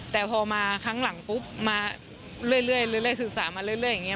แต่พอมาครั้งหลังปุ๊บมาเรื่อยศึกษามาเรื่อยอย่างนี้